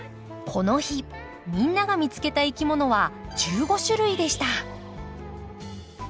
この日みんなが見つけたいきものは１５種類でした。